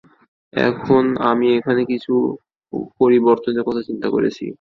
এখন, আমি এখানে কিছু পরিবর্তনের কথা চিন্তা করেছি।